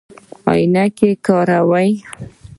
عینکې کاروئ؟